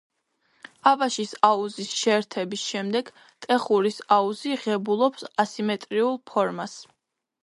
აბაშის აუზის შეერთების შემდეგ ტეხურის აუზი ღებულობს ასიმეტრიულ ფორმას.